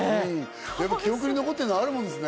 記憶に残ってるのあるもんですね。